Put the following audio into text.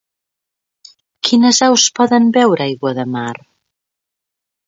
Quines aus poden veure aigua de mar?